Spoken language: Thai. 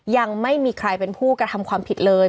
ยังไม่มีใครเป็นผู้กระทำความผิดเลย